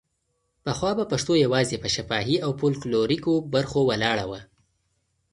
پخوا به پښتو یوازې په شفاهي او فولکلوریکو برخو ولاړه وه.